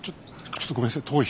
ちょっとごめんなさい遠い。